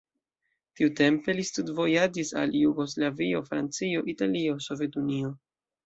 Tiutempe li studvojaĝis al Jugoslavio, Francio, Italio, Sovetunio.